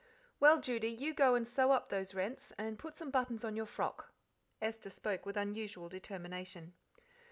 "Well, Judy, you go and sew up those rents, and put some buttons on your frock." Esther spoke with unusual determination.